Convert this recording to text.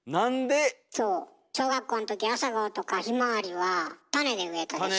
そう。小学校のときアサガオとかヒマワリは種で植えたでしょ？